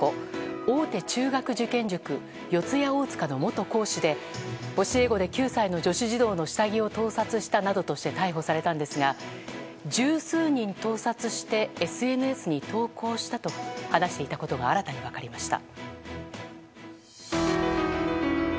大手中学受験塾四谷大塚の元講師で教え子で９歳の女子児童の下着を盗撮したなどとして逮捕されたんですが十数人、盗撮してＳＮＳに投稿したと話していたことが新たに分かりました。